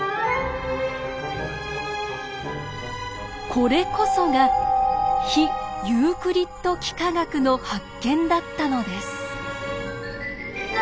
これこそが非ユークリッド幾何学の発見だったのです。